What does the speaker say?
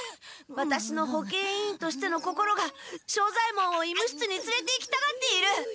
ワタシの保健委員としての心が庄左ヱ門を医務室につれて行きたがっている！